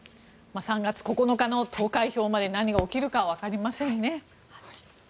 ３月９日の投開票まで何が起きるかわかりませんね。